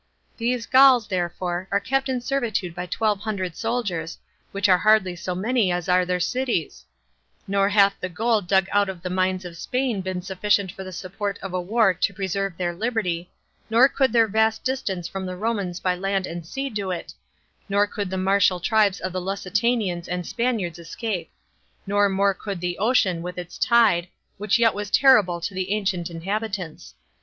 These Gauls, therefore, are kept in servitude by twelve hundred soldiers, which are hardly so many as are their cities; nor hath the gold dug out of the mines of Spain been sufficient for the support of a war to preserve their liberty, nor could their vast distance from the Romans by land and by sea do it; nor could the martial tribes of the Lusitanians and Spaniards escape; no more could the ocean, with its tide, which yet was terrible to the ancient inhabitants.